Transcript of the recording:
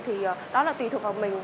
thì đó là tùy thuộc vào mình